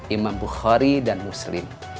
imam bukhari dan muslim